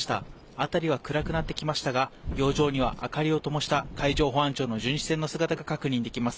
辺りは暗くなってきましたが洋上には、明かりをともした海上保安庁の巡視船の姿が確認できます。